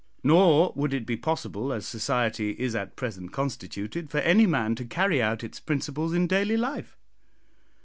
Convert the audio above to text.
Nor would it be possible, as society is at present constituted, for any man to carry out its principles in daily life.